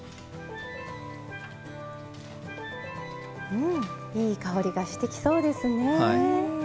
うんいい香りがしてきそうですね。